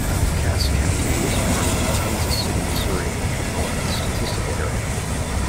Cass County is part of the Kansas City, Missouri Metropolitan Statistical Area.